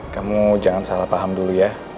kamu jangan salah paham dulu ya